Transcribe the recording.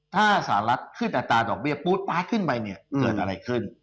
ถ้าสหรัฐขึ้นอัตราดอกเบี้ยปู๊ดป๊าดขึ้นไปเนี่ยเกิดอะไรขึ้น